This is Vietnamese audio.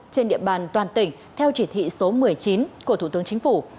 trên địa bàn toàn tỉnh theo chỉ thị số một mươi chín của thủ tướng chính phủ